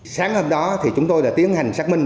sáng hôm đó thì chúng tôi đã tiến hành xác minh